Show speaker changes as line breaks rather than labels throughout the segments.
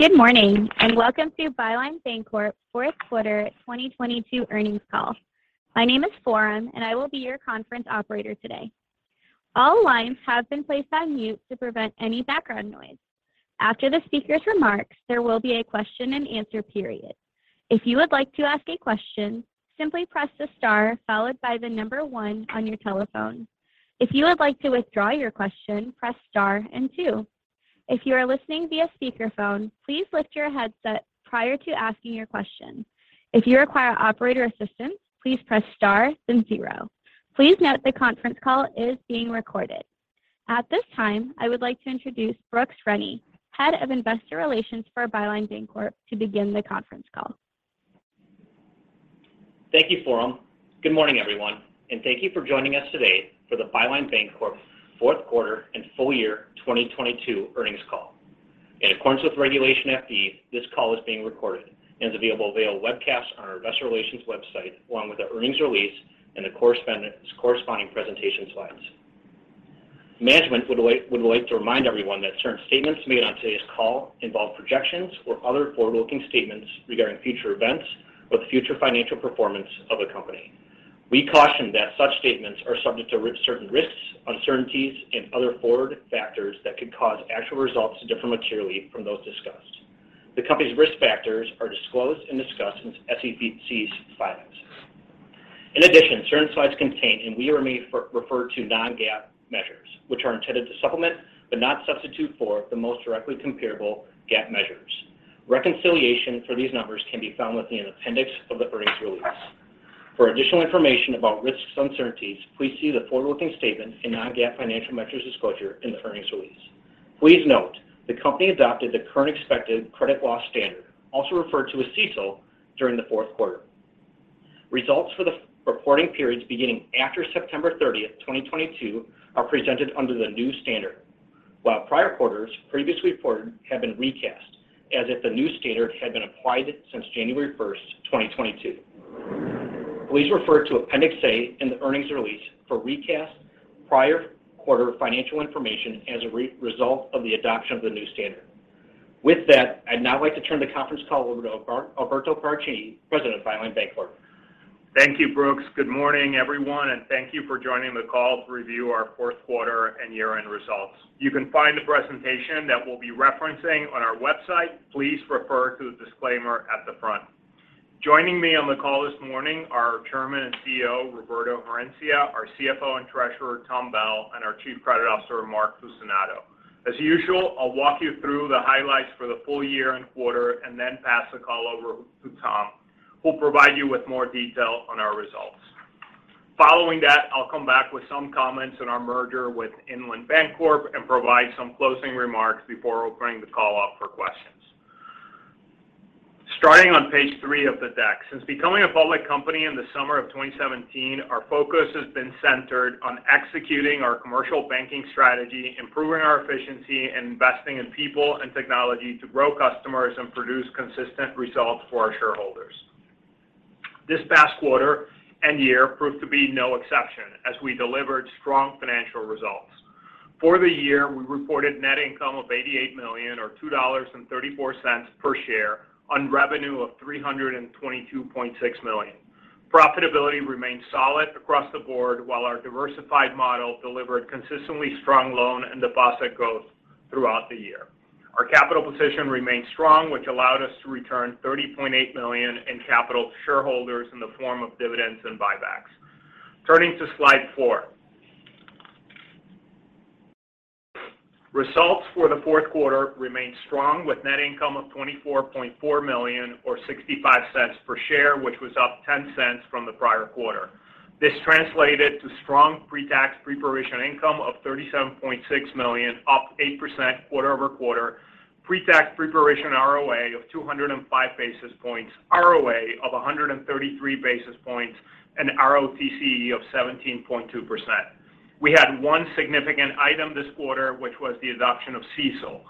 Good morning, welcome to Byline Bancorp Fourth Quarter 2022 Earnings Call. My name is [Forem], I will be your conference operator today. All lines have been placed on mute to prevent any background noise. After the speaker's remarks, there will be a question-and-answer period. If you would like to ask a question, simply press the star followed by one on your telephone. If you would like to withdraw your question, press star and two. If you are listening via speakerphone, please lift your headset prior to asking your question. If you require operator assistance, please press star then zero. Please note the conference call is being recorded. At this time, I would like to introduce Brooks Rennie, Head of Investor Relations for Byline Bancorp, to begin the conference call.
Thank you, [Forem]. Good morning, everyone, and thank you for joining us today for the Byline Bancorp fourth quarter and full year 2022 earnings call. In accordance with Regulation FD, this call is being recorded and is available via webcast on our investor relations website, along with our earnings release and the corresponding presentation slides. Management would like to remind everyone that certain statements made on today's call involve projections or other forward-looking statements regarding future events or the future financial performance of the company. We caution that such statements are subject to certain risks, uncertainties and other forward factors that could cause actual results to differ materially from those discussed. The company's risk factors are disclosed and discussed in SEC's filings. In addition, certain slides contain, and we may re-refer to non-GAAP measures, which are intended to supplement, but not substitute for, the most directly comparable GAAP measures. Reconciliation for these numbers can be found within an appendix of the earnings release. For additional information about risks and uncertainties, please see the forward-looking statement and non-GAAP financial measures disclosure in the earnings release. Please note, the company adopted the current expected credit loss standard, also referred to as CECL, during the fourth quarter. Results for the reporting periods beginning after September 30th, 2022, are presented under the new standard, while prior quarters previously reported have been recast as if the new standard had been applied since January 1st, 2022. Please refer to Appendix A in the earnings release for recast prior quarter financial information as a result of the adoption of the new standard. With that, I'd now like to turn the conference call over to Alberto Paracchini, President of Byline Bancorp.
Thank you, Brooks. Good morning, everyone, and thank you for joining the call to review our fourth quarter and year-end results. You can find the presentation that we'll be referencing on our website. Please refer to the disclaimer at the front. Joining me on the call this morning are our Chairman and CEO, Roberto Herencia, our CFO and Treasurer, Tom Bell, and our Chief Credit Officer, Mark Fucinato. As usual, I'll walk you through the highlights for the full year and quarter and then pass the call over to Tom, who'll provide you with more detail on our results. Following that, I'll come back with some comments on our merger with Inland Bancorp and provide some closing remarks before opening the call up for questions. Starting on page three of the deck, since becoming a public company in the summer of 2017, our focus has been centered on executing our commercial banking strategy, improving our efficiency, and investing in people and technology to grow customers and produce consistent results for our shareholders. This past quarter and year proved to be no exception, as we delivered strong financial results. For the year, we reported net income of $88 million or $2.34 per share on revenue of $322.6 million. Profitability remained solid across the board, while our diversified model delivered consistently strong loan and deposit growth throughout the year. Our capital position remained strong, which allowed us to return $30.8 million in capital to shareholders in the form of dividends and buybacks. Turning to slide four. Results for the fourth quarter remained strong with net income of $24.4 million or $0.65 per share, which was up $0.10 from the prior quarter. This translated to strong pre-tax pre-provision income of $37.6 million, up 8% quarter-over-quarter, pre-tax pre-provision ROA of 205 basis points, ROA of 133 basis points, and ROTCE of 17.2%. We had one significant item this quarter, which was the adoption of CECL.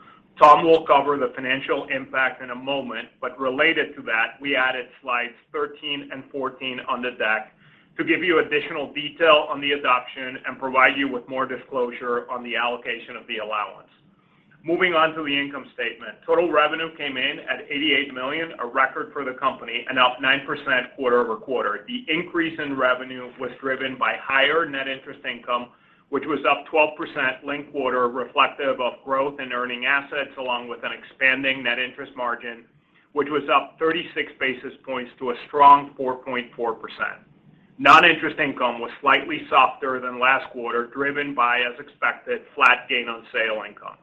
Tom will cover the financial impact in a moment, related to that, we added slides 13 and 14 on the deck to give you additional detail on the adoption and provide you with more disclosure on the allocation of the allowance. Moving on to the income statement. Total revenue came in at $88 million, a record for the company, and up 9% quarter-over-quarter. The increase in revenue was driven by higher net interest income, which was up 12% linked quarter reflective of growth in earning assets along with an expanding net interest margin, which was up 36 basis points to a strong 4.4%. Non-interest income was slightly year-over-year last quarter, driven by, as expected, flat gain on sale income.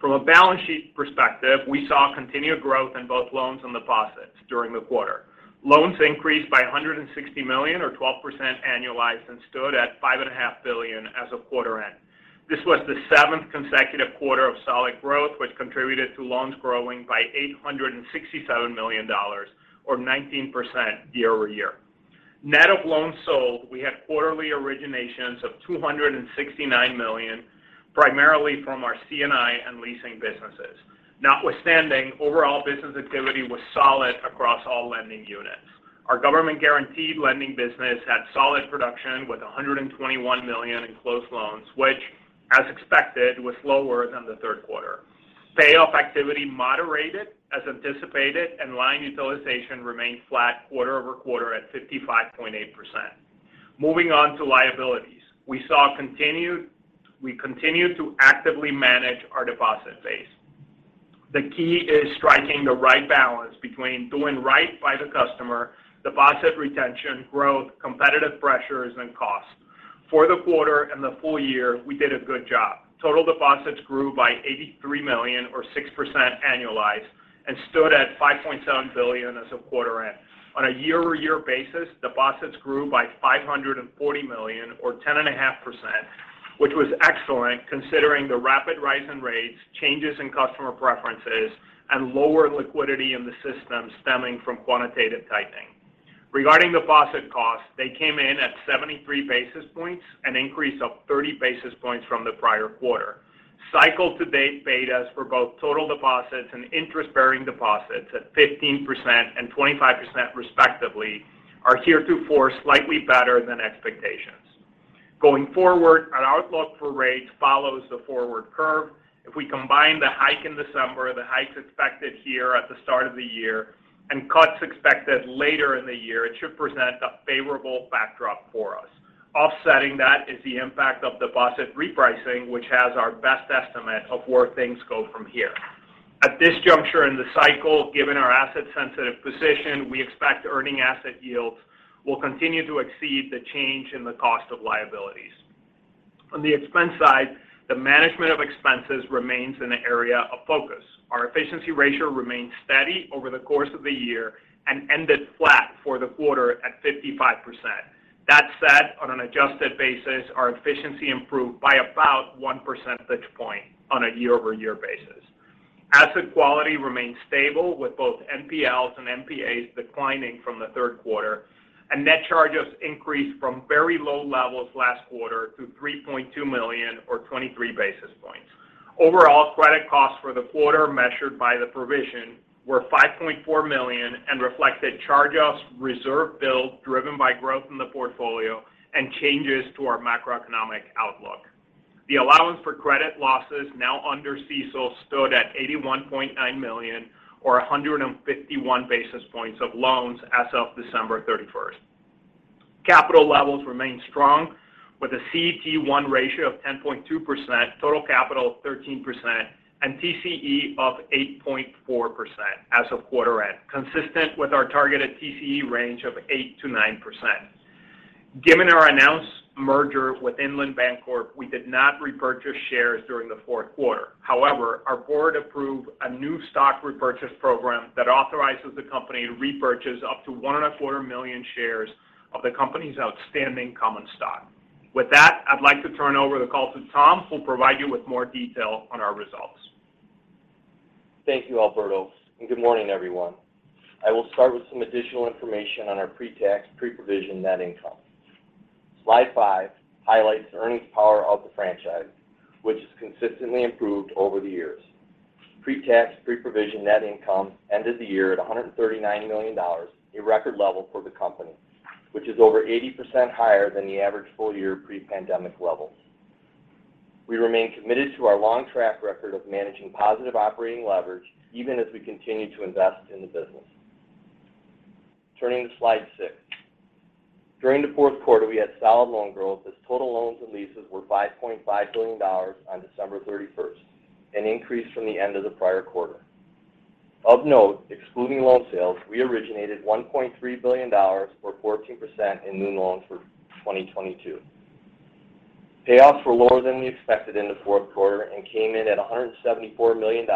From a balance sheet perspective, we saw continued growth in both loans and deposits during the quarter. Loans increased by $160 million or 12% annualized and stood at $5.5 billion as of quarter end. This was the seventh quarter of solid growth, which contributed to loan growing by $867 million or 19% year-over-year. Net of loans sold, we had quarterly originations of $269 million, primarily from our C&I and leasing businesses. Overall business activity was solid across all lending units. Our government guaranteed lending business had solid production with $121 million in closed loans, which as expected, was lower than the third quarter. Payoff activity moderated as anticipated and line utilization remained flat quarter-over-quarter at 55.8%. Moving on to liabilities. We continue to actively manage our deposit base. The key is striking the right balance between doing right by the customer, deposit retention, growth, competitive pressures and costs. For the quarter and the full year, we did a good job. Total deposits grew by $83 million or 6% annualized and stood at $5.7 billion as of quarter end. On a year-over-year basis, deposits grew by $540 million or 10.5% which was excellent considering the rapid rise in rates, changes in customer preferences and lower liquidity in the system stemming from quantitative tightening. Regarding deposit costs, they came in at 73 basis points, an increase of 30 basis points from the prior quarter. Cycle-to-date betas for both total deposits and interest-bearing deposits at 15% and 25% respectively are heretofore slightly better than expectations. Going forward, an outlook for rates follows the forward curve. If we combine the hike in December, the hikes expected here at the start of the year and cuts expected later in the year, it should present a favorable backdrop for us. Offsetting that is the impact of deposit repricing, which has our best estimate of where things go from here. At this juncture in the cycle, given our asset sensitive position, we expect earning asset yields will continue to exceed the change in the cost of liabilities. The management of expenses remains an area of focus. Our efficiency ratio remains steady over the course of the year and ended flat for the quarter at 55%. On an adjusted basis, our efficiency improved by about 1 percentage point on a year-over-year basis. Asset quality remains stable with both NPLs and NPAs declining from the third quarter. Net charges increased from very low levels last quarter to $3.2 million or 23 basis points. Credit costs for the quarter measured by the provision were $5.4 million and reflected charge-offs reserve build driven by growth in the portfolio and changes to our macroeconomic outlook. The allowance for credit losses now under CECL stood at $81.9 million or 151 basis points of loans as of December 31st. Capital levels remain strong with a CET1 ratio of 10.2%, total capital of 13% and TCE of 8.4% as of quarter end, consistent with our targeted TCE range of 8%-9%. Given our announced merger with Inland Bancorp, we did not repurchase shares during the fourth quarter. Our board approved a new stock repurchase program that authorizes the company to repurchase up to 1.25 million shares of the company's outstanding common stock. With that, I'd like to turn over the call to Tom, who will provide you with more detail on our results.
Thank you, Alberto. Good morning, everyone. I will start with some additional information on our pre-tax, pre-provision net income. Slide five highlights the earnings power of the franchise, which has consistently improved over the years. Pre-tax, pre-provision net income ended the year at $139 million, a record level for the company which is over 80% higher than the average full year pre-pandemic levels. We remain committed to our long track record of managing positive operating leverage even as we continue to invest in the business. Turning to slide six. During the fourth quarter, we had solid loan growth as total loans and leases were $5.5 billion on December 31st, an increase from the end of the prior quarter. Of note, excluding loan sales, we originated $1.3 billion or 14% in new loans for 2022. Payoffs were lower than we expected in the fourth quarter and came in at $174 million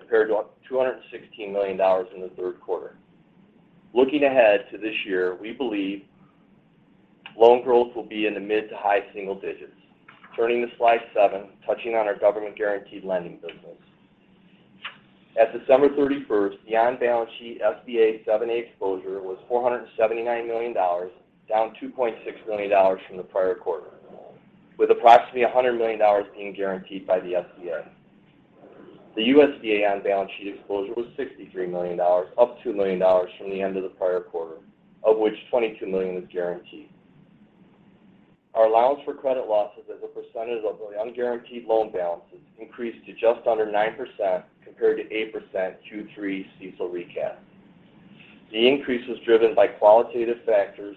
compared to $216 million in the third quarter. Looking ahead to this year, we believe loan growth will be in the mid to high single digits. Turning to slide seven, touching on our government guaranteed lending business. At December 31st, the on-balance sheet SBA 7(a) exposure was $479 million, down $2.6 million from the prior quarter, with approximately $100 million being guaranteed by the SBS. The USDA on-balance sheet exposure was $63 million, up $2 million from the end of the prior quarter, of which $22 million was guaranteed. Our allowance for credit losses as a percentage of the unguaranteed loan balances increased to just under 9% compared to 8% Q3 CECL recap. The increase was driven by qualitative factors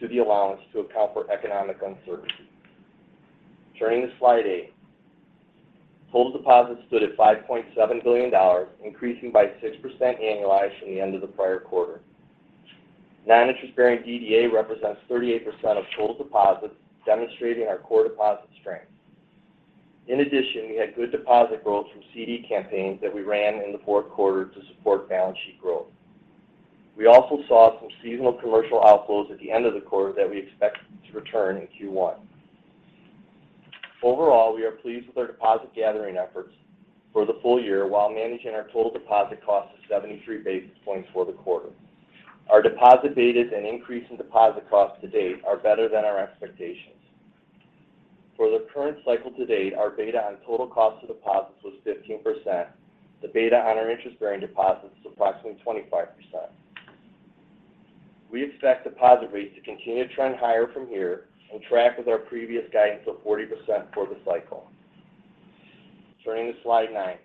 to the allowance to account for economic uncertainty. Turning to slide eight. Total deposits stood at $5.7 billion, increasing by 6% annualized from the end of the prior quarter. Non-interest bearing DDA represents 38% of total deposits, demonstrating our core deposit strength. In addition, we had good deposit growth from CD campaigns that we ran in the fourth quarter to support balance sheet growth. We also saw some seasonal commercial outflows at the end of the quarter that we expect to return in Q1. Overall, we are pleased with our deposit gathering efforts for the full year while managing our total deposit cost of 73 basis points for the quarter. Our deposit betas and increase in deposit costs to date are better than our expectations. The current cycle-to-date, our beta on total cost of deposits was 15%. The beta on our interest-bearing deposits is approximately 25%. We expect deposit rates to continue to trend higher from here and track with our previous guidance of 40% for the cycle. Turning to slide nine.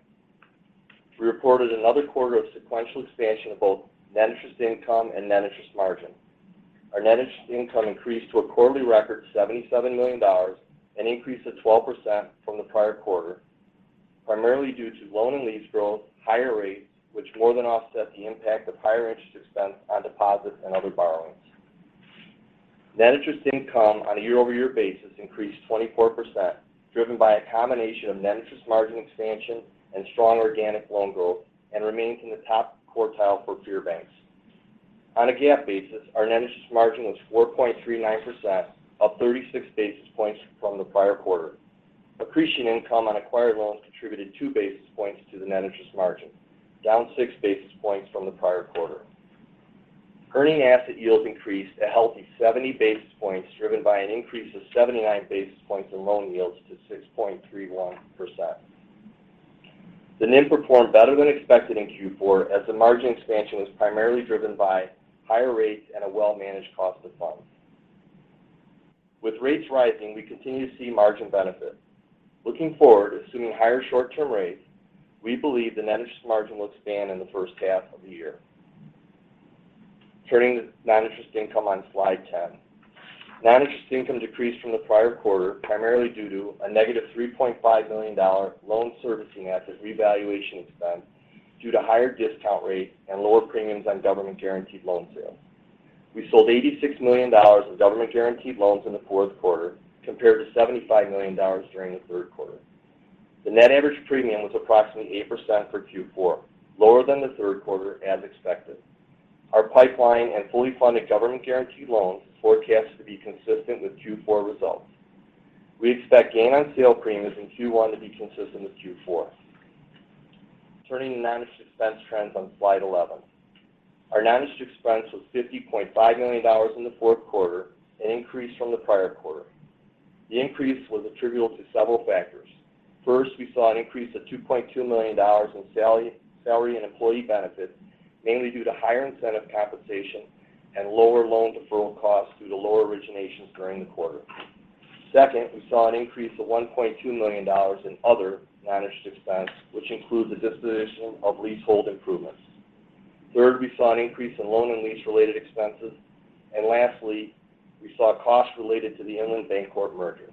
We reported another quarter of sequential expansion of both net interest income and net interest margin. Our net interest income increased to a quarterly record $77 million, an increase of 12% from the prior quarter, primarily due to loan and lease growth, higher rates, which more than offset the impact of higher interest expense on deposits and other borrowings. Net interest income on a year-over-year basis increased 24%, driven by a combination of net interest margin expansion and strong organic loan growth and remains in the top quartile for peer banks. On a GAAP basis, our net interest margin was 4.39%, up 36 basis points from the prior quarter. Accretion income on acquired loans contributed 2 basis points to the net interest margin, down 6 basis points from the prior quarter. Earning asset yields increased a healthy 70 basis points, driven by an increase of 79 basis points in loan yields to 6.31%. The NIM performed better than expected in Q4 as the margin expansion was primarily driven by higher rates and a well-managed cost of funds. With rates rising, we continue to see margin benefits. Looking forward, assuming higher short-term rates, we believe the net interest margin will expand in the first half of the year. Turning to non-interest income on slide 10. Non-interest income decreased from the prior quarter, primarily due to a -$3.5 million loan servicing asset revaluation expense due to higher discount rate and lower premiums on government-guaranteed loan sales. We sold $86 million of government-guaranteed loans in the fourth quarter, compared to $75 million during the third quarter. The net average premium was approximately 8% for Q4, lower than the third quarter as expected. Our pipeline and fully funded government-guaranteed loans forecast to be consistent with Q4 results. We expect gain on sale premiums in Q1 to be consistent with Q4. Turning to non-interest expense trends on slide 11. Our non-interest expense was $50.5 million in the fourth quarter, an increase from the prior quarter. The increase was attributable to several factors. First, we saw an increase of $2.2 million in salary and employee benefits, mainly due to higher incentive compensation and lower loan deferral costs due to lower originations during the quarter. Second, we saw an increase of $1.2 million in other non-interest expense, which includes the disposition of leasehold improvements. Third, we saw an increase in loan and lease-related expenses. Lastly, we saw costs related to the Inland Bancorp merger.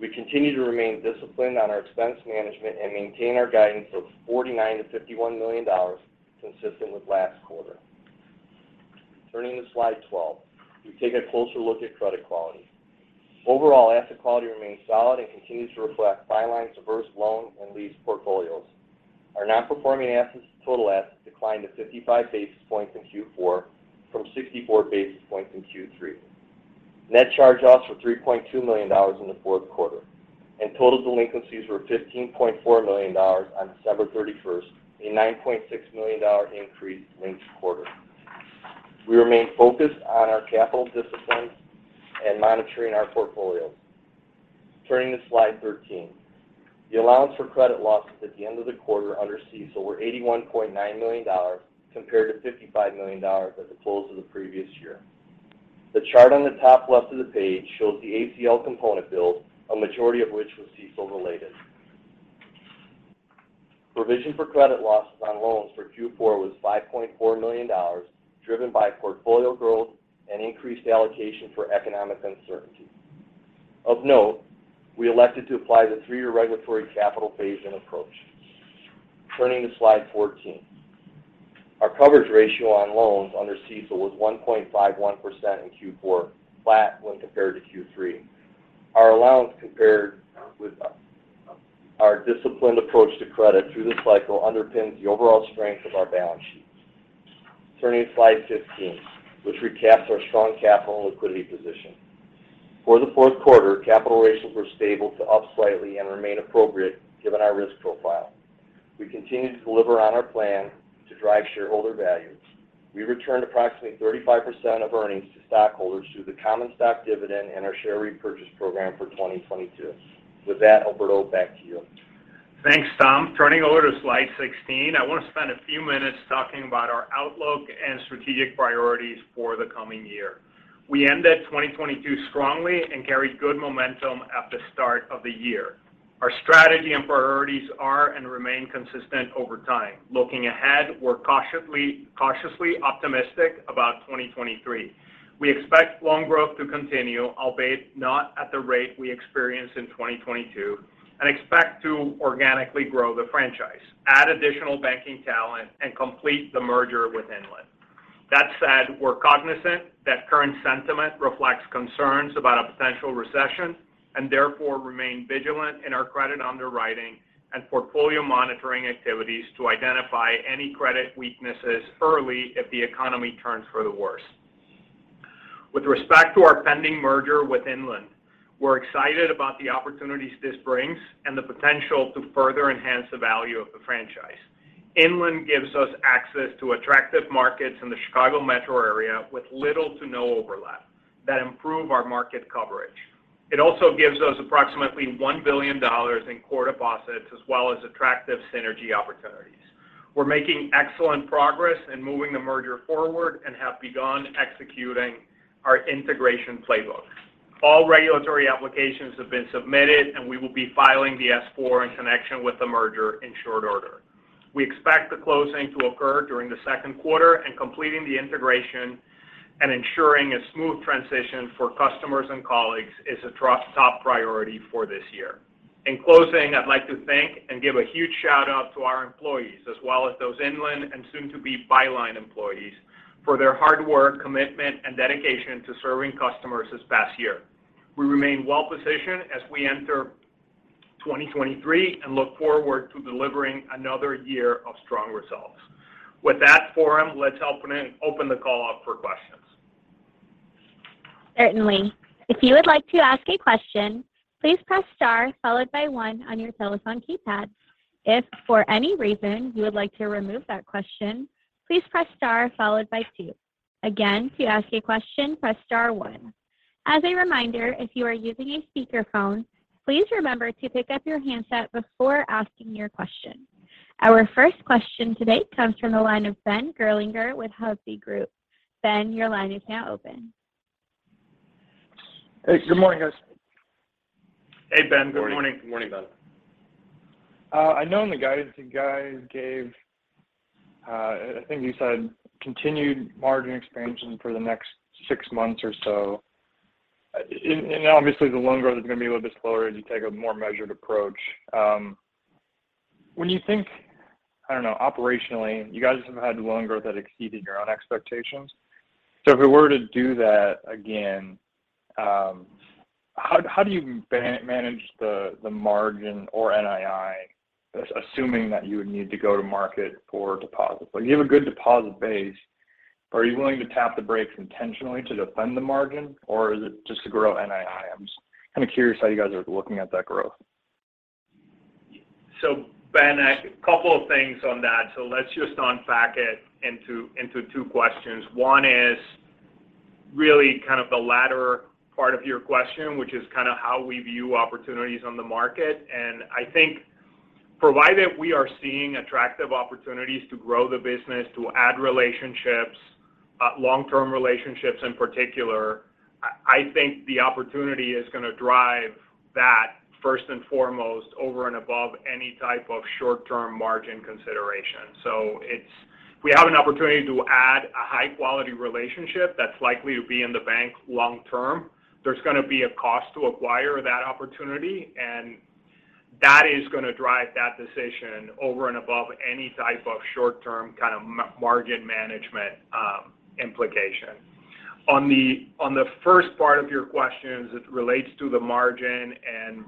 We continue to remain disciplined on our expense management and maintain our guidance of $49 million-$51 million consistent with last quarter. Turning to slide 12. We take a closer look at credit quality. Overall, asset quality remains solid and continues to reflect Byline's diverse loan and lease portfolios. Our non-performing assets to total assets declined to 55 basis points in Q4 from 64 basis points in Q3. Net charge-offs were $3.2 million in the fourth quarter, and total delinquencies were $15.4 million on December 31st, a $9.6 million increase linked quarter. We remain focused on our capital discipline and monitoring our portfolios. Turning to slide 13. The allowance for credit losses at the end of the quarter under CECL were $81.9 million compared to $55 million at the close of the previous year. The chart on the top left of the page shows the ACL component build, a majority of which was CECL related. Provision for credit losses on loans for Q4 was $5.4 million, driven by portfolio growth and increased allocation for economic uncertainty. Of note, we elected to apply the three-year regulatory capital phase-in approach. Turning to slide 14. Our coverage ratio on loans under CECL was 1.51% in Q4, flat when compared to Q3. Our allowance compared with our disciplined approach to credit through this cycle underpins the overall strength of our balance sheets. Turning to slide 15, which recaps our strong capital and liquidity position. For the fourth quarter, capital ratios were stable to up slightly and remain appropriate given our risk profile. We continue to deliver on our plan to drive shareholder value. We returned approximately 35% of earnings to stockholders through the common stock dividend and our share repurchase program for 2022. With that, Alberto, back to you.
Thanks, Tom. Turning over to slide 16, I want to spend a few minutes talking about our outlook and strategic priorities for the coming year. We ended 2022 strongly and carried good momentum at the start of the year. Our strategy and priorities are and remain consistent over time. Looking ahead, we're cautiously optimistic about 2023. We expect loan growth to continue, albeit not at the rate we experienced in 2022, and expect to organically grow the franchise, add additional banking talent, and complete the merger with Inland. That said, we're cognizant that current sentiment reflects concerns about a potential recession and therefore remain vigilant in our credit underwriting and portfolio monitoring activities to identify any credit weaknesses early if the economy turns for the worse. With respect to our pending merger with Inland, we're excited about the opportunities this brings and the potential to further enhance the value of the franchise. Inland gives us access to attractive markets in the Chicago metro area with little to no overlap that improve our market coverage. It also gives us approximately $1 billion in core deposits as well as attractive synergy opportunities. We're making excellent progress in moving the merger forward and have begun executing our integration playbook. All regulatory applications have been submitted, and we will be filing the S-4 in connection with the merger in short order. We expect the closing to occur during the second quarter and completing the integration and ensuring a smooth transition for customers and colleagues is a top priority for this year. In closing, I'd like to thank and give a huge shout-out to our employees as well as those Inland and soon to be Byline employees for their hard work, commitment, and dedication to serving customers this past year. We remain well-positioned as we enter 2023 and look forward to delivering another year of strong results. With that, [Forem], let's open the call up for questions.
Certainly. If you would like to ask a question, please press star followed by one on your telephone keypad. If for any reason you would like to remove that question, please press star followed by two. Again, to ask a question, press star one. As a reminder, if you are using a speakerphone, please remember to pick up your handset before asking your question. Our first question today comes from the line of Ben Gerlinger with Hovde Group. Ben, your line is now open.
Hey, good morning, guys.
Hey, Ben. Good morning.
Good morning, Ben.
I know in the guidance you guys gave, I think you said continued margin expansion for the next six months or so. Obviously the loan growth is going to be a little bit slower as you take a more measured approach. When you think, I don't know, operationally, you guys have had loan growth that exceeded your own expectations. If we were to do that again, how do you manage the margin or NII, assuming that you would need to go to market for deposits? Like, you have a good deposit base. Are you willing to tap the brakes intentionally to defend the margin, or is it just to grow NII? I'm just kind of curious how you guys are looking at that growth.
Ben, a couple of things on that. Let's just unpack it into two questions. One is really kind of the latter part of your question, which is kind of how we view opportunities on the market. I think provided we are seeing attractive opportunities to grow the business, to add relationships, long-term relationships in particular, I think the opportunity is going to drive that first and foremost over and above any type of short-term margin consideration. We have an opportunity to add a high-quality relationship that's likely to be in the bank long term. There's going to be a cost to acquire that opportunity, and that is going to drive that decision over and above any type of short-term kind of margin management implication. On the first part of your question as it relates to the margin and,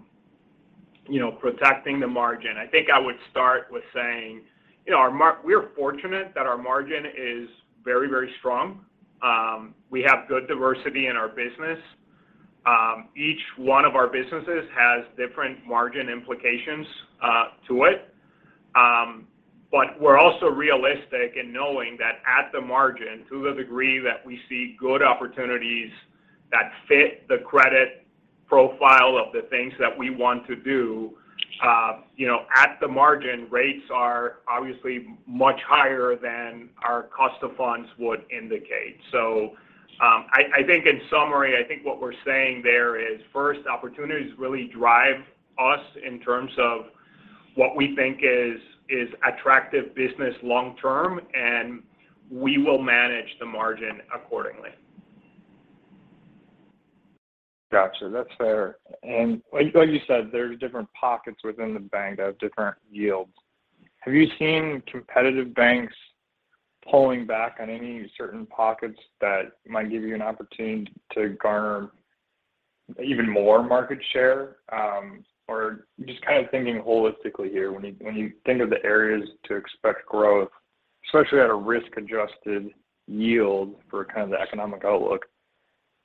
you know, protecting the margin, I think I would start with saying, you know, our we're fortunate that our margin is very, very strong. We have good diversity in our business. Each one of our businesses has different margin implications to it. We're also realistic in knowing that at the margin, to the degree that we see good opportunities that fit the credit profile of the things that we want to do, you know, at the margin, rates are obviously much higher than our cost of funds would indicate. I think in summary, I think what we're saying there is, first, opportunities really drive us in terms of what we think is attractive business long term, and we will manage the margin accordingly.
Gotcha. That's fair. And like you said, there are different pockets within the bank that have different yields. Have you seen competitive banks pulling back on any certain pockets that might give you an opportunity to garner even more market share? or just kind of thinking holistically here when you, when you think of the areas to expect growth, especially at a risk-adjusted yield for kind of the economic outlook,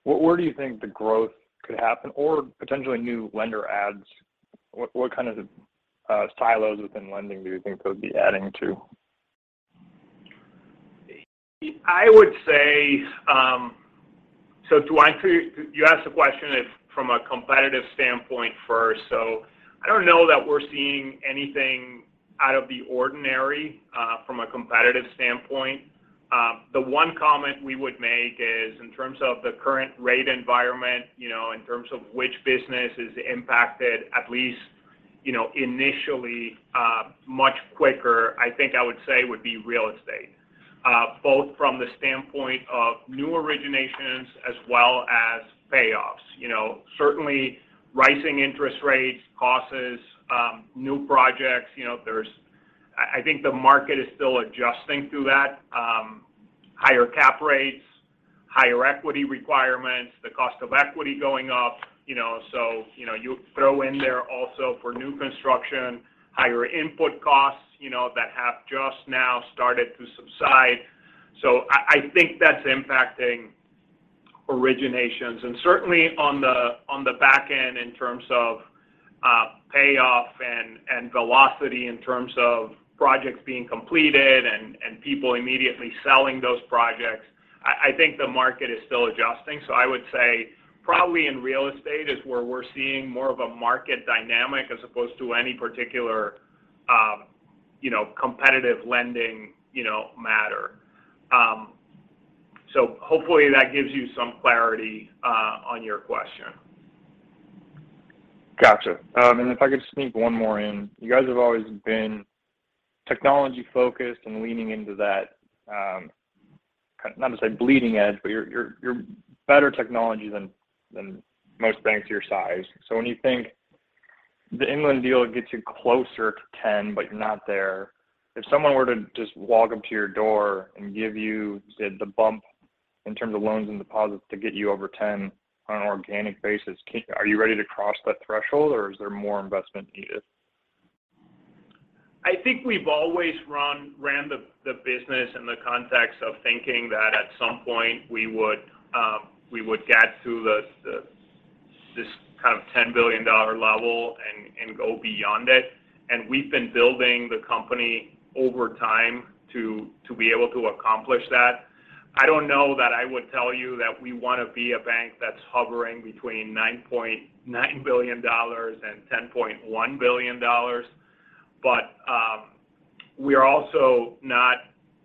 where do you think the growth could happen or potentially new lender adds, what kind of silos within lending do you think they'll be adding to?
I would say, you asked the question if from a competitive standpoint first. I don't know that we're seeing anything out of the ordinary from a competitive standpoint. The one comment we would make is in terms of the current rate environment, you know, in terms of which business is impacted at least, you know, initially much quicker, I think I would say would be real estate, both from the standpoint of new originations as well as payoffs. You know, certainly rising interest rates causes new projects. You know, I think the market is still adjusting to that. Higher cap rates, higher equity requirements, the cost of equity going up, you know. You know, you throw in there also for new construction, higher input costs, you know, that have just now started to subside. I think that's impacting originations. Certainly on the back end in terms of payoff and velocity in terms of projects being completed and people immediately selling those projects, I think the market is still adjusting. I would say probably in real estate is where we're seeing more of a market dynamic as opposed to any particular, you know, competitive lending, you know, matter. Hopefully that gives you some clarity on your question.
Gotcha. If I could just sneak one more in. You guys have always been technology-focused and leaning into that, kind of not to say bleeding edge, but you're better technology than most banks your size. When you think the Inland deal gets you closer to 10, but you're not there, if someone were to just walk up to your door and give you the bump in terms of loans and deposits to get you over 10 on an organic basis, are you ready to cross that threshold, or is there more investment needed?
I think we've always ran the business in the context of thinking that at some point we would get to this kind of $10 billion level and go beyond it. We've been building the company over time to be able to accomplish that. I don't know that I would tell you that we wanna be a bank that's hovering between $9.9 billion and $10.1 billion. We are also not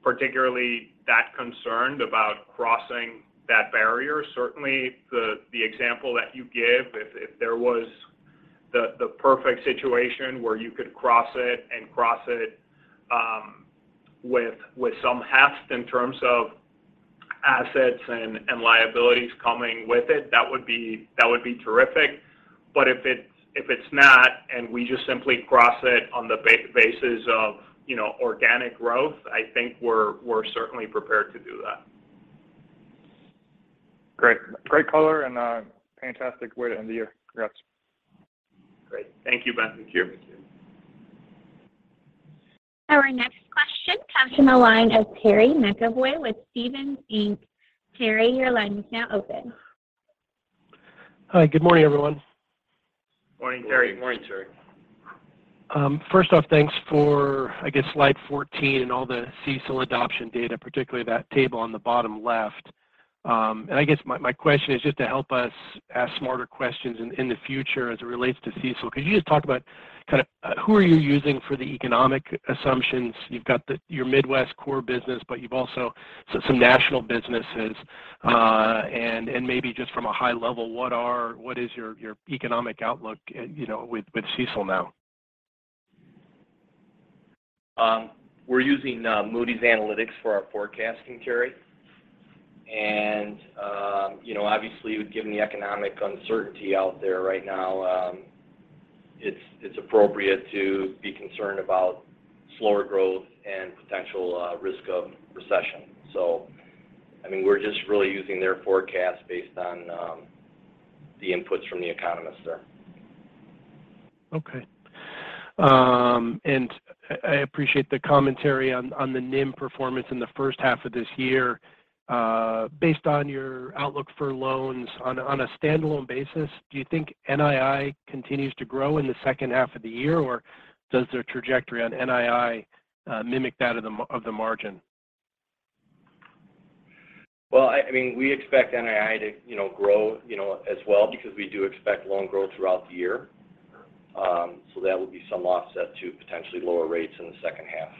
particularly that concerned about crossing that barrier. Certainly the example that you give, if there was the perfect situation where you could cross it and cross it with some heft in terms of assets and liabilities coming with it, that would be terrific. If it's not, and we just simply cross it on the basis of, you know, organic growth, I think we're certainly prepared to do that.
Great. Great color and a fantastic way to end the year. Congrats.
Great. Thank you, Ben. Thank you.
Our next question comes from the line of Terry McEvoy with Stephens Inc. Terry, your line is now open.
Hi. Good morning, everyone.
Morning, Terry.
Morning, Terry.
First off, thanks for, I guess, slide 14 and all the CECL adoption data, particularly that table on the bottom left. I guess my question is just to help us ask smarter questions in the future as it relates to CECL. Could you just talk about kind of, who are you using for the economic assumptions? You've got your midwest core business, but you've also some national businesses. And maybe just from a high level, what is your economic outlook, you know, with CECL now?
We're using Moody's Analytics for our forecasting, Terry. You know, obviously given the economic uncertainty out there right now, it's appropriate to be concerned about slower growth and potential risk of recession. I mean, we're just really using their forecast based on the inputs from the economists there.
Okay. I appreciate the commentary on the NIM performance in the first half of this year. Based on your outlook for loans on a standalone basis, do you think NII continues to grow in the second half of the year, or does the trajectory on NII, mimic that of the margin?
Well, I mean, we expect NII to, you know, grow, you know, as well because we do expect loan growth throughout the year. That would be some offset to potentially lower rates in the second half.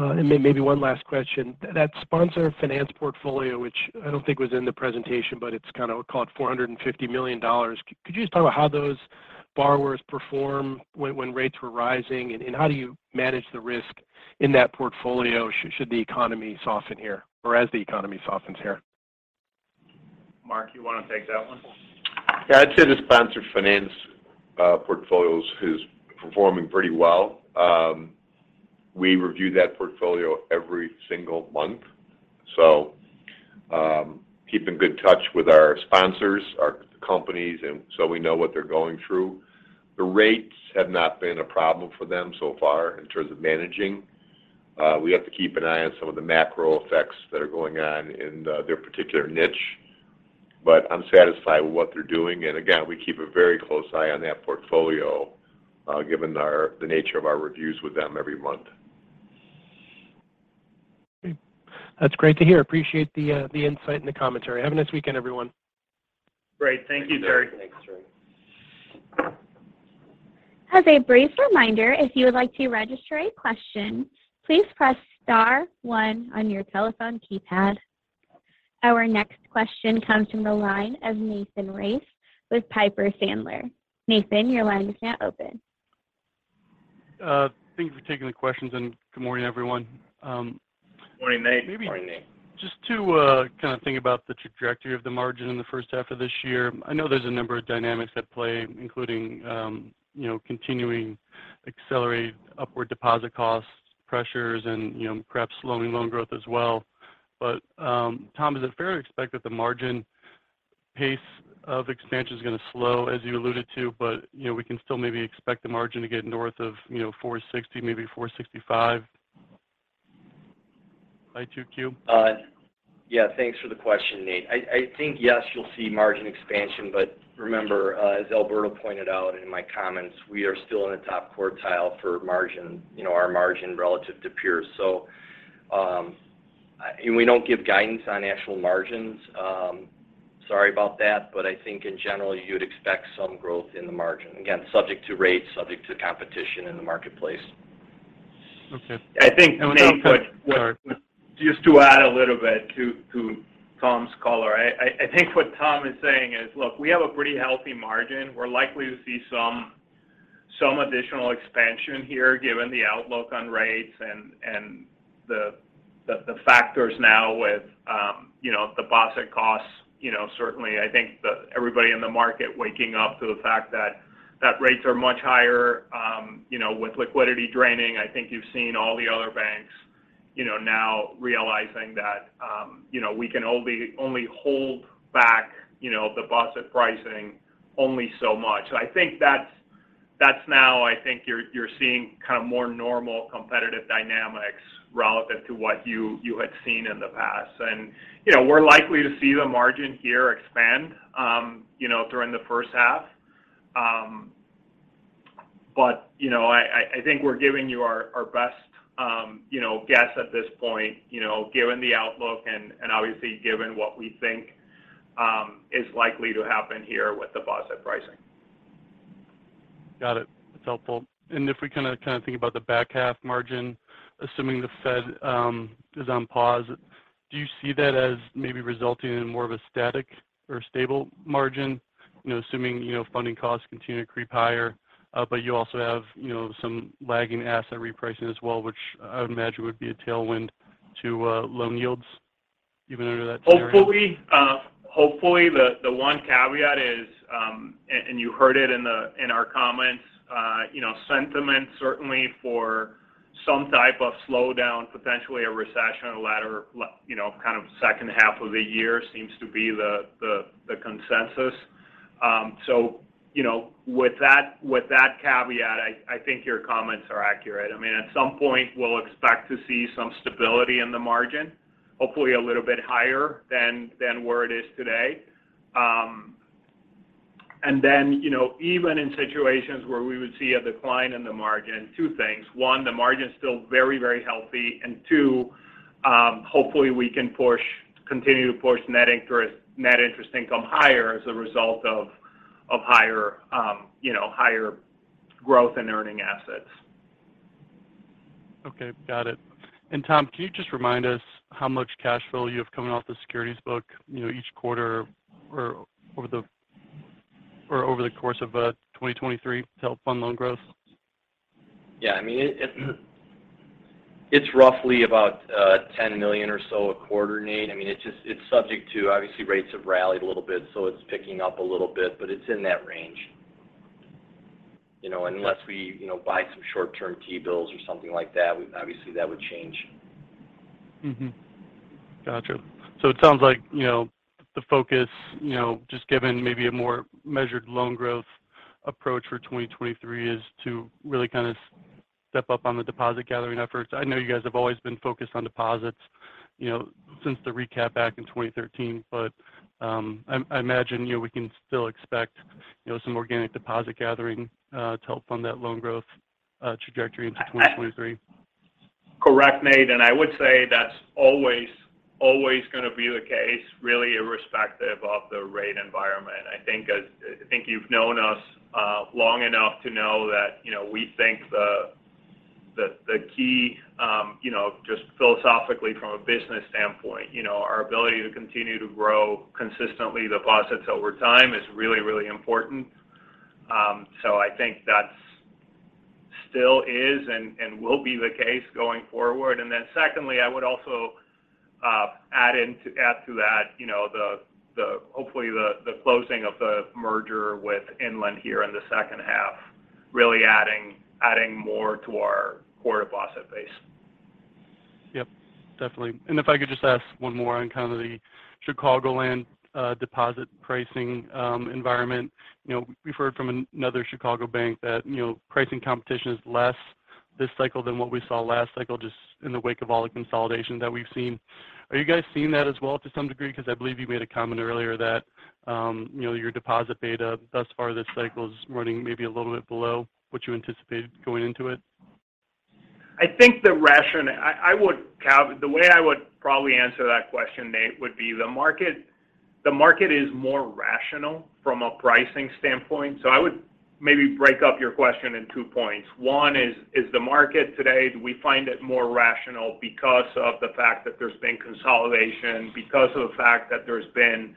Maybe one last question. That sponsor finance portfolio, which I don't think was in the presentation, but it's kind of called $450 million. Could you just talk about how those borrowers performed when rates were rising, and how do you manage the risk in that portfolio should the economy soften here or as the economy softens here?
Mark, you wanna take that one?
Yeah. I'd say the sponsored finance portfolio is performing pretty well. We review that portfolio every single month, so keep in good touch with our sponsors, our companies, and we know what they're going through. The rates have not been a problem for them so far in terms of managing. We have to keep an eye on some of the macro effects that are going on in their particular niche, but I'm satisfied with what they're doing. Again, we keep a very close eye on that portfolio given the nature of our reviews with them every month.
Okay. That's great to hear. Appreciate the insight and the commentary. Have a nice weekend, everyone.
Great. Thank you, Terry.
Thanks, Terry.
As a brief reminder, if you would like to register a question, please press star one on your telephone keypad. Our next question comes from the line of Nathan Race with Piper Sandler. Nathan, your line is now open.
Thank you for taking the questions, and good morning, everyone.
Morning, Nate.
Morning, Nate.
Maybe just to, kind of think about the trajectory of the margin in the first half of this year. I know there's a number of dynamics at play, including, you know, continuing accelerated upward deposit costs, pressures and, you know, perhaps slowing loan growth as well. Tom, is it fair to expect that the margin pace of expansion is going to slow, as you alluded to, but, you know, we can still maybe expect the margin to get north of, you know, 460, maybe 465 by 2Q?
Yeah. Thanks for the question, Nate. I think, yes, you'll see margin expansion, but remember, as Alberto pointed out in my comments, we are still in the top quartile for margin, you know, our margin relative to peers. We don't give guidance on actual margins, sorry about that. I think in general, you would expect some growth in the margin, again, subject to rates, subject to competition in the marketplace.
Okay.
I think, Nate.
Sorry.
Just to add a little bit to Tom's color. I think what Tom is saying is, look, we have a pretty healthy margin. We're likely to see some additional expansion here, given the outlook on rates and the factors now with, you know, deposit costs. You know, certainly, I think everybody in the market waking up to the fact that rates are much higher, you know, with liquidity draining. I think you've seen all the other banks, you know, now realizing that, you know, we can only hold back, you know, the deposit pricing only so much. I think that's now, I think you're seeing kind of more normal competitive dynamics relative to what you had seen in the past. You know, we're likely to see the margin here expand, you know, during the first half. you know, I think we're giving you our best, you know, guess at this point, you know, given the outlook and obviously given what we think, is likely to happen here with deposit pricing.
Got it. That's helpful. If we kind of think about the back half margin, assuming the Fed is on pause, do you see that as maybe resulting in more of a static or stable margin? You know, assuming, you know, funding costs continue to creep higher, but you also have, you know, some lagging asset repricing as well, which I would imagine would be a tailwind to loan yields even under that scenario?
Hopefully. Hopefully. The one caveat is, and you heard it in our comments, you know, sentiment certainly for some type of slowdown, potentially a recession the latter you know, kind of second half of the year seems to be the consensus. You know, with that caveat, I think your comments are accurate. I mean, at some point, we'll expect to see some stability in the margin, hopefully a little bit higher than where it is today. Then, you know, even in situations where we would see a decline in the margin, two things. One, the margin is still very, very healthy. Two, hopefully, we can continue to push net interest income higher as a result of higher, you know, higher growth in earning assets.
Okay. Got it. Tom, can you just remind us how much cash flow you have coming off the securities book, you know, each quarter or over the course of 2023 to help fund loan growth?
Yeah. I mean, it's roughly about $10 million or so a quarter, Nate. I mean, it's subject to, obviously, rates have rallied a little bit, so it's picking up a little bit, but it's in that range. You know, unless we, you know, buy some short-term T-bills or something like that, we, obviously, that would change.
Gotcha. It sounds like, you know, the focus, you know, just given maybe a more measured loan growth approach for 2023 is to really kind of step up on the deposit gathering efforts. I know you guys have always been focused on deposits, you know, since the recap back in 2013. I imagine, you know, we can still expect, you know, some organic deposit gathering to help fund that loan growth trajectory into 2023.
Correct, Nate. I would say that's always going to be the case, really irrespective of the rate environment. I think you've known us long enough to know that, you know, we think the key, you know, just philosophically from a business standpoint, you know, our ability to continue to grow consistently deposits over time is really important. I think that's still is and will be the case going forward. Secondly, I would also add to that, you know, the hopefully, the closing of the merger with Inland here in the second half, really adding more to our core deposit base.
Yep. Definitely. If I could just ask one more on kind of the Chicagoland deposit pricing environment. You know, we've heard from another Chicago bank that, you know, pricing competition is less this cycle than what we saw last cycle, just in the wake of all the consolidation that we've seen. Are you guys seeing that as well to some degree? Because I believe you made a comment earlier that, you know, your deposit beta thus far this cycle is running maybe a little bit below what you anticipated going into it?
I think the way I would probably answer that question, Nate, would be the market, the market is more rational from a pricing standpoint. I would maybe break up your question in two points. One is the market today, do we find it more rational because of the fact that there's been consolidation, because of the fact that there's been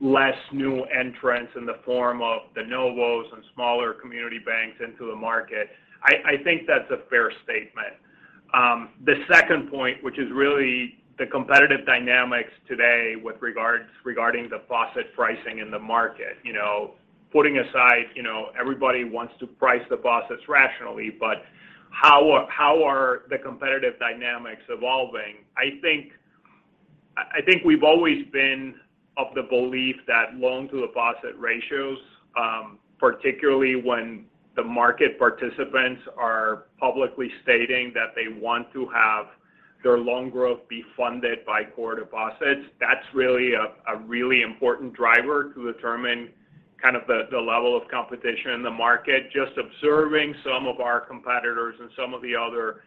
less new entrants in the form of the de novos and smaller community banks into the market? I think that's a fair statement. The second point, which is really the competitive dynamics today regarding the deposit pricing in the market. You know, putting aside, you know, everybody wants to price deposits rationally, how are the competitive dynamics evolving? I think we've always been of the belief that loan to deposit ratios, particularly when the market participants are publicly stating that they want to have their loan growth be funded by core deposits. That's really a really important driver to determine kind of the level of competition in the market. Just observing some of our competitors and some of the other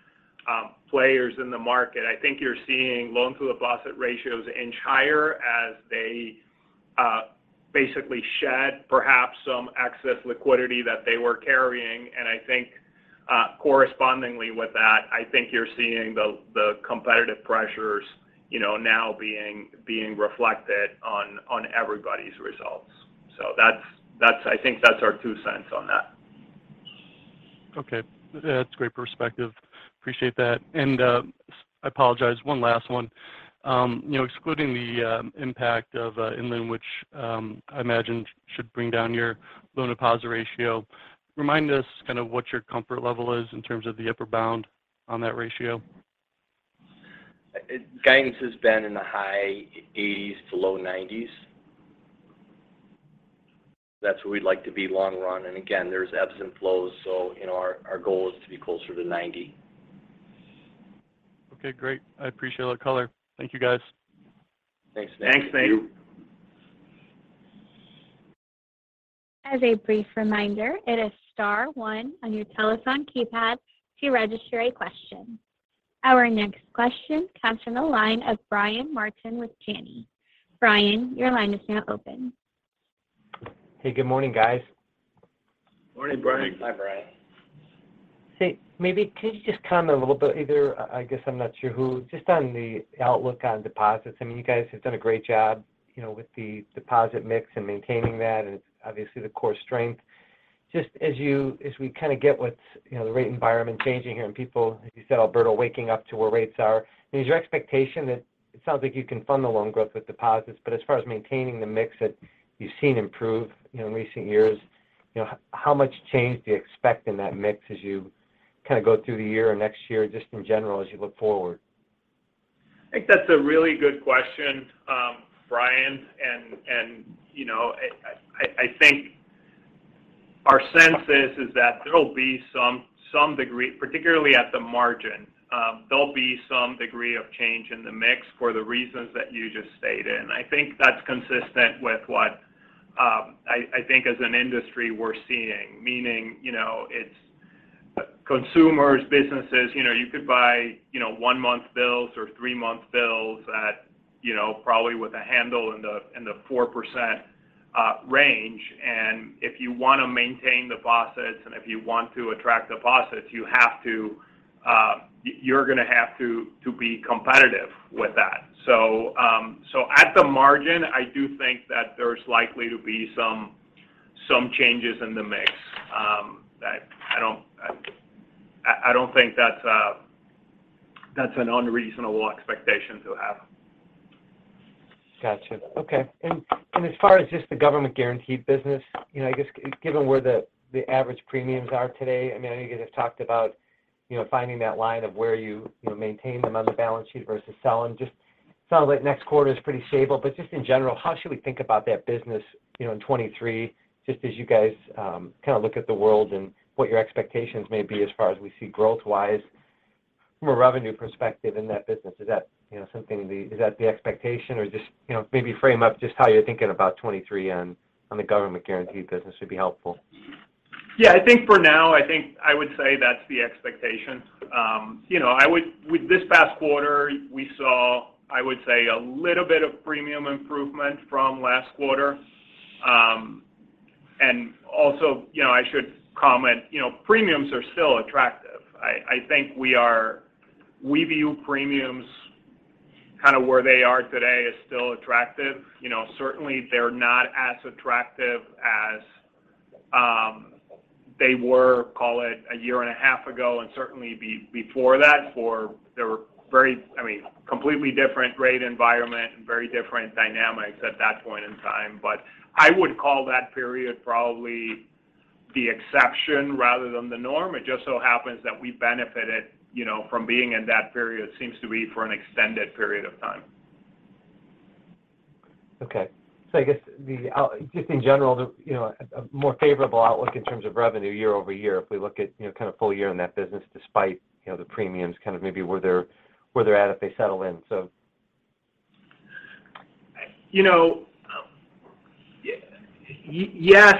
players in the market, I think you're seeing loan to deposit ratios inch higher as they basically shed perhaps some excess liquidity that they were carrying. I think correspondingly with that, I think you're seeing the competitive pressures, you know, now being reflected on everybody's results. That's I think that's our two cents on that.
Okay. That's great perspective. Appreciate that. I apologize, one last one. you know, excluding the impact of Inland, which, I imagine should bring down your loan deposit ratio, remind us kind of what your comfort level is in terms of the upper bound on that ratio?
Guidance has been in the high eighties to low nineties. That's where we'd like to be long run. Again, there's ebbs and flows, you know, our goal is to be closer to 90.
Okay, great. I appreciate all the color. Thank you, guys.
Thanks Nate.
Thank you.
As a brief reminder, it is star one on your telephone keypad to register a question. Our next question comes from the line of Brian Martin with Janney. Brian, your line is now open.
Hey, good morning, guys.
Morning, Brian.
Hi, Brian.
Hey. Maybe could you just comment a little bit either, I guess I'm not sure who, just on the outlook on deposits. I mean, you guys have done a great job, you know, with the deposit mix and maintaining that. It's obviously the core strength. Just as we kind of get what's, you know, the rate environment changing here and people, as you said, Alberto, waking up to where rates are. I mean, is your expectation that it sounds like you can fund the loan growth with deposits, but as far as maintaining the mix that you've seen improve, you know, in recent years, you know, how much change do you expect in that mix as you kind of go through the year or next year, just in general as you look forward?
I think that's a really good question, Brian. You know, I think our sense is that there'll be some degree, particularly at the margin, there'll be some degree of change in the mix for the reasons that you just stated. I think that's consistent with what, I think as an industry we're seeing. Meaning, you know, it's consumers, businesses, you know, you could buy, you know, one-month bills or three-month bills at, you know, probably with a handle in the, in the 4% range. If you want to maintain deposits and if you want to attract deposits, you have to, you're gonna have to be competitive with that. At the margin, I do think that there's likely to be some changes in the mix. That I don't, I don't think that's an unreasonable expectation to have.
Gotcha. Okay. As far as just the government guaranteed business, you know, I guess given where the average premiums are today, I mean, I know you guys have talked about, you know, finding that line of where you know, maintain them on the balance sheet versus selling. Just sounds like next quarter is pretty stable. Just in general, how should we think about that business, you know, in 2023, just as you guys kind of look at the world and what your expectations may be as far as we see growth-wise from a revenue perspective in that business? Is that, you know, something is that the expectation or just, you know, maybe frame up just how you're thinking about 2023 on the government guaranteed business would be helpful.
Yeah. I think for now, I think I would say that's the expectation. You know, with this past quarter, we saw, I would say, a little bit of premium improvement from last quarter. Also, you know, I should comment, you know, premiums are still attractive. I think we view premiums kind of where they are today as still attractive. You know, certainly they're not as attractive as they were, call it, a year and a half ago, and certainly before that, for they were very, I mean, completely different rate environment and very different dynamics at that point in time. I would call that period probably the exception rather than the norm. It just so happens that we benefited, you know, from being in that period, seems to be for an extended period of time.
Okay. I guess just in general, you know, a more favorable outlook in terms of revenue year-over-year, if we look at, you know, kind of full year in that business despite, you know, the premiums kind of maybe where they're at if they settle in, so.
You know, yes.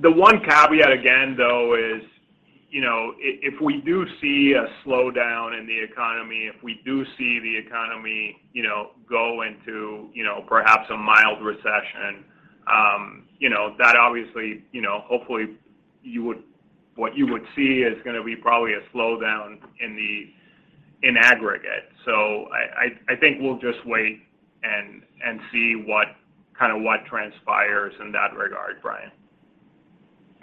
The one caveat again though is, you know, if we do see a slowdown in the economy, if we do see the economy, you know, go into, you know, perhaps a mild recession, you know, that obviously, you know, hopefully what you would see is gonna be probably a slowdown in aggregate. I think we'll just wait and see what transpires in that regard, Brian.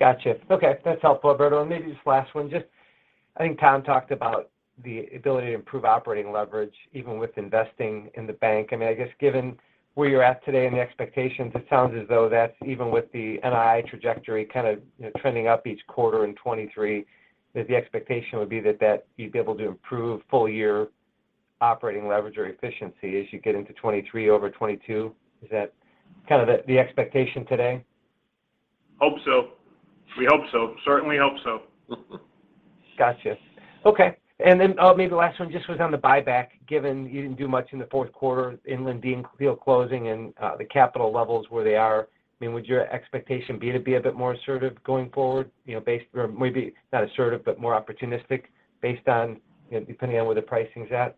Gotcha. Okay. That's helpful, Alberto. Maybe this last one, just I think Tom talked about the ability to improve operating leverage even with investing in the bank. I mean, I guess given where you're at today and the expectations, it sounds as though that's even with the NII trajectory kind of, you know, trending up each quarter in 2023, that the expectation would be that you'd be able to improve full year operating leverage or efficiency as you get into 2023 over 2022. Is that kind of the expectation today?
Hope so. We hope so. Certainly hope so.
Gotcha. Okay. Maybe the last one just was on the buyback, given you didn't do much in the fourth quarter, Inland closing and the capital levels where they are. I mean, would your expectation be to be a bit more assertive going forward? You know, based or maybe not assertive, but more opportunistic based on, you know, depending on where the pricing's at?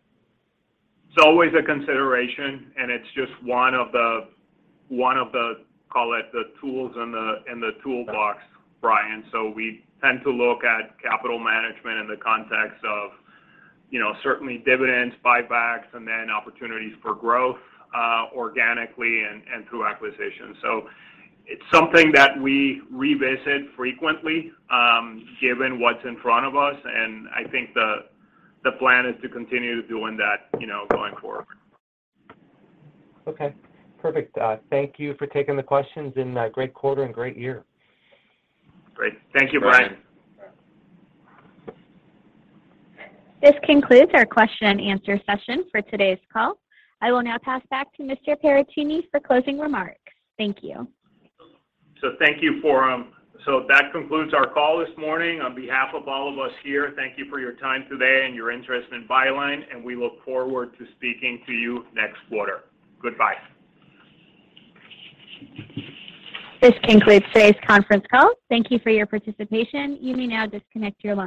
It's always a consideration, it's just one of the, call it, the tools in the toolbox, Brian. We tend to look at capital management in the context of, you know, certainly dividends, buybacks, and then opportunities for growth organically and through acquisitions. It's something that we revisit frequently given what's in front of us. I think the plan is to continue doing that, you know, going forward.
Okay. Perfect. Thank you for taking the questions and great quarter and great year.
Great. Thank you, Brian.
This concludes our question and answer session for today's call. I will now pass back to Mr. Paracchini for closing remarks. Thank you.
That concludes our call this morning. On behalf of all of us here, thank you for your time today and your interest in Byline, and we look forward to speaking to you next quarter. Goodbye.
This concludes today's conference call. Thank you for your participation. You may now disconnect your line.